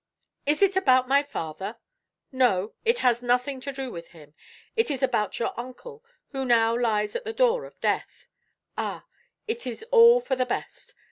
"Is it about my father?' "No. It has nothing to do with him; it is about your uncle, who now lies at the door of death. All, it is all for the best.